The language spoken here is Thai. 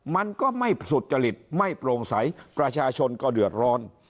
มันก็ไม่สุจริตไม่โปร่งใสประชาชนก็เดือดร้อน